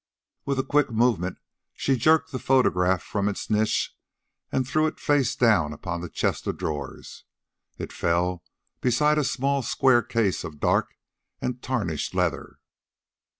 With a quick movement, she jerked the photograph from its niche and threw it face down upon the chest of drawers. It fell beside a small square case of dark and tarnished leather.